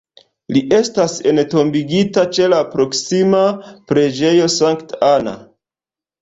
Li estas entombigita ĉe la proksima Preĝejo Sankta Anna.